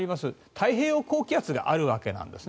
太平洋高気圧があるわけなんですね。